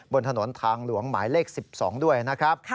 บนถนนทางหลวงหมายเลข๑๒ด้วยนะครับ